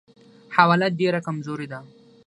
حواله ډېره کمزورې ده.